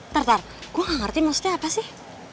tertar gue gak ngerti maksudnya apa sih